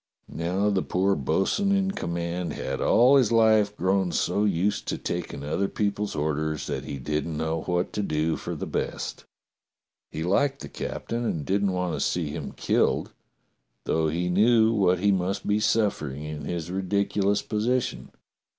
" Now the poor bo'sun in command had all his life grown so used to taking other people's orders that he didn't know what to do for the best. He liked the cap tain and didn't want to see him killed, though he knew what he must be suffering in his ridiculous position.